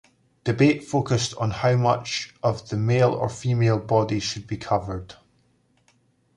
Debate focused on how much of the male or female body should be covered.